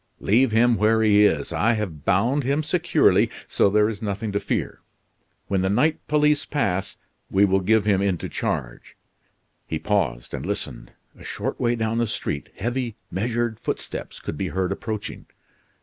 "Leave him where he is. I have bound him securely, so there is nothing to fear. When the night police pass, we will give him into charge " He paused and listened. A short way down the street, heavy, measured footsteps could be heard approaching.